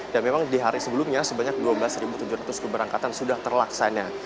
dan memang di hari sebelumnya sebanyak dua belas tujuh ratus keberangkatan sudah terlaksanya